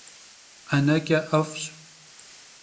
'eneç'e 'ef'ş.